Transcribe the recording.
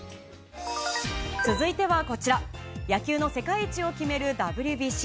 続いてはこちら、野球の世界一を決めるＷＢＣ。